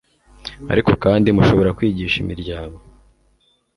ariko kandi, mushobora kwigisha imiryango